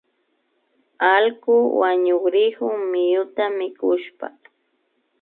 Allku wañukrikun miyuta mikushpa